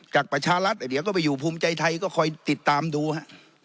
จากประชารัฐเดี๋ยวก็ไปอยู่ภูมิใจไทยก็คอยติดตามดูฮะ